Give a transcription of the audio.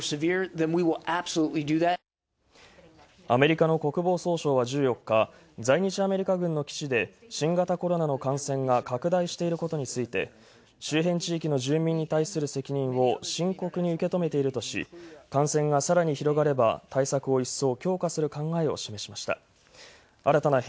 アメリカの国防総省は１４日、在日アメリカ軍の基地で新型コロナの感染が拡大していることについて周辺地域の住民に対する責任を深刻に受け止めているとし、感染がさらに広がれば、対策を一層強化する考えを示しました。